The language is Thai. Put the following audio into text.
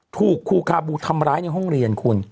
ถูกครูคาบูทำร้ายในห้องเรียนคุณ